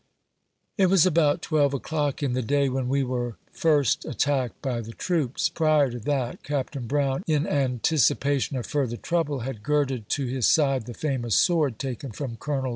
It was about twelve o'clock in the day when we were first attacked by the troops. Prior to that, Capt. Brown, in an ticipation of further trouble, had girded to his side the famous sword taken from Col.